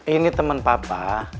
ini teman papa